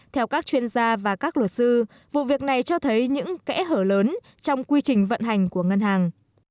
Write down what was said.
theo các chuyên gia và các luật sư vụ việc này cho thấy những kẽ hở lớn trong quy trình vận hành của ngân hàng